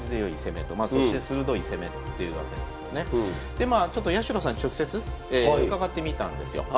でまあ八代さんに直接伺ってみたんですよ。